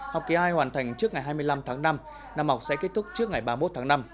học kỳ hai hoàn thành trước ngày hai mươi năm tháng năm năm học sẽ kết thúc trước ngày ba mươi một tháng năm